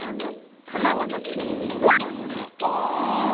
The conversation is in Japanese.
卵の黄身みたいなものああ